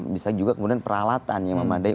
bisa juga kemudian peralatan yang memadai